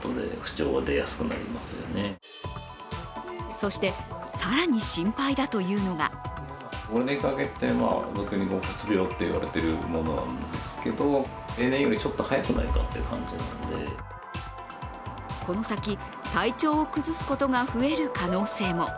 そして更に心配だというのがこの先、体調を崩すことが増える可能性も。